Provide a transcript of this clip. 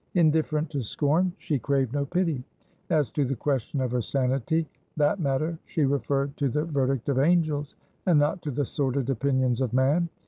Indifferent to scorn, she craved no pity. As to the question of her sanity, that matter she referred to the verdict of angels, and not to the sordid opinions of man.